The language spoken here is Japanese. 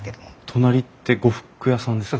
隣って呉服屋さんですか？